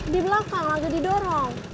di belakang lagi didorong